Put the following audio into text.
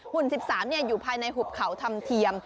หุ่น๑๓อยู่ภายในหุบเขาธรรมเทียม